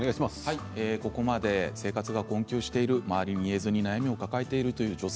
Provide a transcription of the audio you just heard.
ここまで生活が困窮している周りに言えずに悩みを抱えているという女性